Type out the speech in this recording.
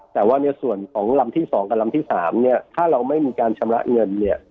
แต่ว่าในส่วนของลำที่๒กับลำที่๓เนี่ยถ้าเราไม่มีการชำระเงินเนี่ย